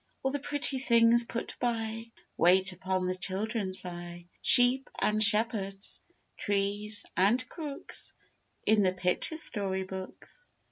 All the pretty things put by, Wait upon the children's eye, Sheep and shepherds, trees and crooks, In the picture story books.